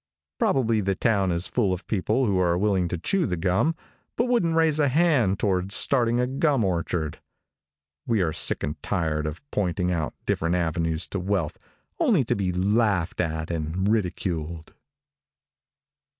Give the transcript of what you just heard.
Probably the town is full of people who are willing to chew the gum, but wouldn't raise a hand toward starting a gum orchard. We are sick and tired of pointing out different avenues to wealth only to be laughed at and ridiculed.